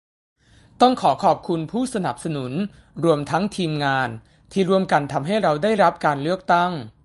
ต้องขอขอบคุณผู้สนับสนุน รวมทั้งทีมงาน ที่ร่วมกันทำให้เราได้รับการเลือกตั้ง